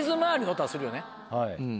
はい。